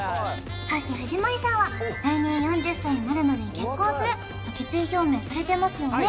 そして藤森さんは来年４０歳になるまでに結婚すると決意表明されてますよね？